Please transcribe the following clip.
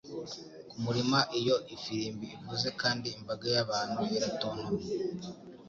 kumurima iyo ifirimbi ivuze kandi imbaga y'abantu iratontoma.